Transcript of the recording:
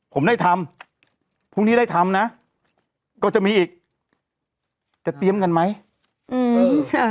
ผมได้ทำพรุ่งนี้ได้ทำนะก็จะมีอีกจะเตรียมกันไหมอืม